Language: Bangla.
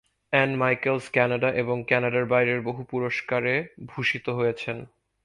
অ্যান মাইকেলস কানাডা এবং কানাডার বাইরের বহু পুরস্কারে ভূষিত হয়েছেন।